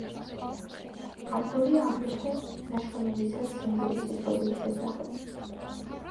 ავტორია აგრეთვე ნაშრომებისა ციმბირის ისტორიის შესახებ.